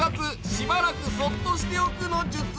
しばらくそっとしておくのじゅつ！